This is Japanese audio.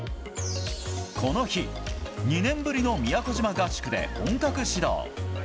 この日、２年ぶりの宮古島合宿で本格始動。